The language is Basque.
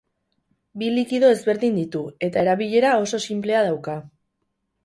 Bi likido ezberdin ditu eta erabilera oso sinplea dauka.